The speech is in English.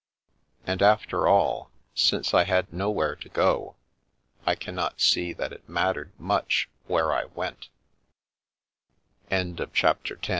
And, after all, since I had nowhere to gc I cannot see that it mattered much where I wer CHAPT